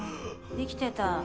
生きてた。